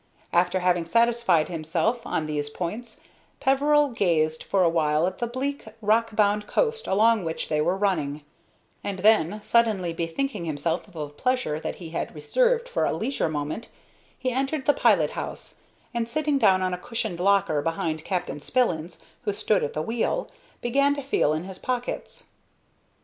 After having satisfied himself on these points, Peveril gazed for a while at the bleak, rock bound coast along which they were running, and then, suddenly bethinking himself of a pleasure that he had reserved for a leisure moment, he entered the pilot house, and, sitting down on a cushioned locker behind Captain Spillins, who stood at the wheel, began to feel in his pockets.